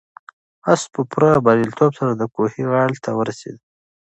آس په پوره بریالیتوب سره د کوهي غاړې ته ورسېد.